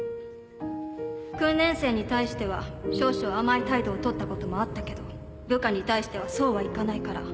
訓練生に対しては少々甘い態度を取ったこともあったけど部下に対してはそうはいかないから